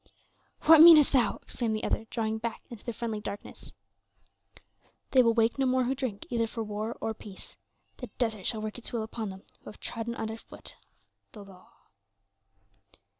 "What meanest thou?" exclaimed the other, drawing back into the friendly darkness. "They will wake no more who drink, either for war or peace; the desert shall work its will upon them who have trodden under foot the law."